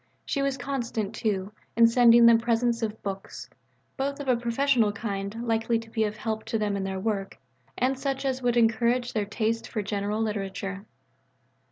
She was constant, too, in sending them presents of books both of a professional kind likely to be of help to them in their work, and such as would encourage a taste for general literature.